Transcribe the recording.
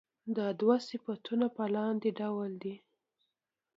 دا دوه صفتونه په لاندې ډول دي.